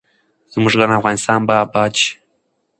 زموږ ګران افغانستان به اباد شي.